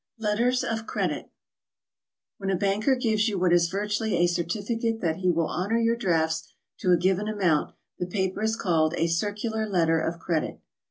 LETTERS OF CREDIT. When a banker gives you what is virtually a certificate that he will honor your drafts to a given amount, the paper is called a circular letter of credit.